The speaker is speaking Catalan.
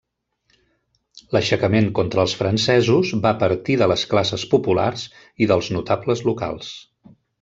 L'aixecament contra els francesos va partir de les classes populars i dels notables locals.